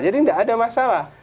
jadi nggak ada masalah